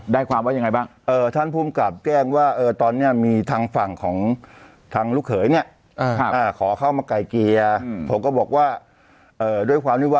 ได้ความว่ายังไงบ้าง